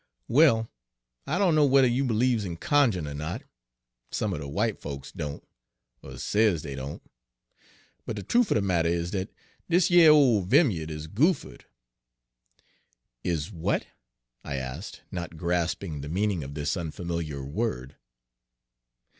"Well, I dunno whe'r you believes in cunj'in'er not, some er de w'ite folks don't, er says dey don't, but de truf er de matter is dat dis yer ole vimya'd is goophered." "Is what?" I asked, not grasping the meaning of this unfamiliar word.